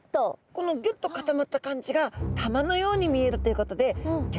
このギュッと固まった感じが玉のように見えるということでギョンズイ玉と呼ばれます。